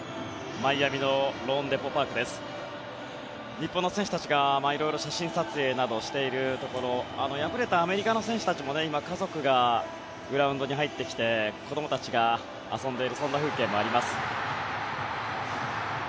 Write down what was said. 日本の選手たちが色々写真撮影をしているところ敗れたアメリカの選手たちも今、家族がグラウンドに入ってきて子どもたちが遊んでいるそんな風景もあります。